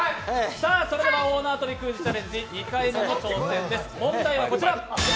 それでは大縄跳びクイズチャレンジ２回目の挑戦です、問題はこちら。